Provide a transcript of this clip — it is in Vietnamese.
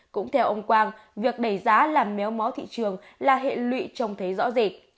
cũng theo ông quang việc đẩy giá làm méo mó thị trường là hệ lụy trông thấy rõ rệt